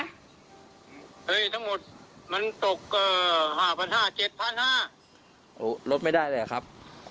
เธอหมดมันตกห้าพันห้าเจ็บพันห้าโอ้โหลดไม่ได้เลยครับ